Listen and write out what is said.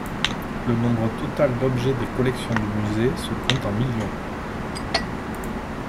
Le nombre total d'objets des collections du musée se compte en millions.